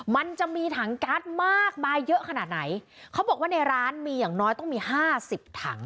มันจะมีถังการ์ดมากมายเยอะขนาดไหนเขาบอกว่าในร้านมีอย่างน้อยต้องมีห้าสิบถัง